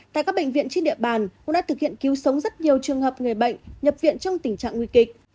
tại các bệnh viện trên địa bàn cũng đã thực hiện cứu sống rất nhiều trường hợp người bệnh nhập viện trong tình trạng nguy kịch